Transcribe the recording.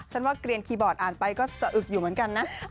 ว่าเกลียนคีย์บอร์ดอ่านไปก็สะอึกอยู่เหมือนกันนะ